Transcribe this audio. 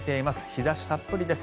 日差したっぷりです。